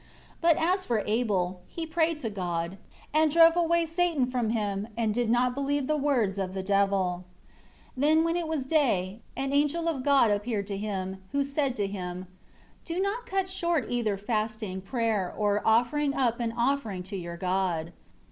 8 But as for Abel, he prayed to God, and drove away Satan from him; and did not believe the words of the devil. Then when it was day, an angel of God appeared to him, who said to him, "Do not cut short either fasting, prayer, or offering up an offering to your God.